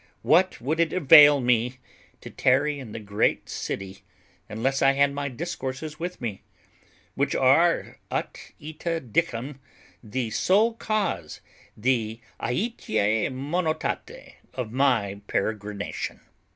What would it avail me, to tarry in the great city, unless I had my discourses with me, which are ut ita dicam, the sole cause, the aitia monotate of my peregrination?